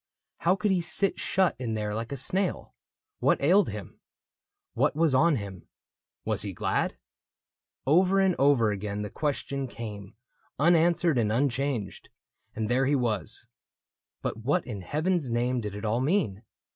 How could he sit shut in there like a snail ? What ailed him ? What was on him ? Was he glad ? Over and over again the question came, Unanswered and unchanged, — and there he was. But what in heaven's name did it all mean